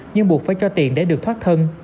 nhưng buộc phải cho tiền để được thoát thân